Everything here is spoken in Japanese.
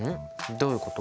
どういうこと？